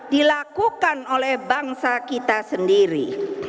dilakukan oleh bangsa kita sendiri